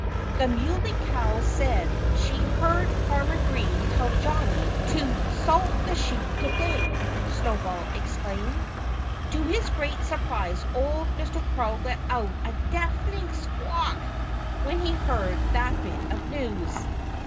"The Muley Cow said she heard Farmer Green tell Johnnie to 'salt the sheep to day,'" Snowball explained. To his great surprise old Mr. Crow let out a deafening squawk when he heard that bit of news.